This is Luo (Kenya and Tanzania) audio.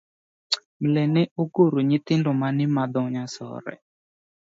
Mle ne ogoro nyithindo mane madho nyasore.